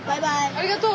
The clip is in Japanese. ありがとう。